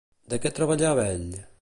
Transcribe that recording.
De què treballava ell?